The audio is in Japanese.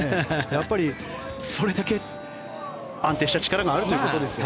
やっぱりそれだけ安定した力があるということですよね。